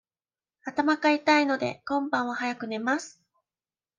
頭が痛いので、今晩は早く寝ます。